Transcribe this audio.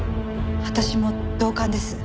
私も同感です。